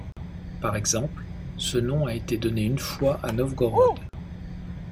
Par exemple, ce nom a été donné une fois à Novgorod.